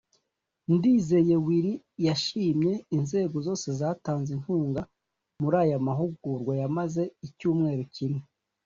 Ndizeye Willy yashimiye inzego zose zatanze inkuga muri aya mahugurwa yamaze icyumweru kimwe